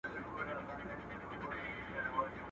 نیمګړي عمر ته مي ورځي د پېغور پاته دي.